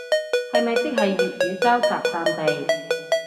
係咪即係粵語膠集散地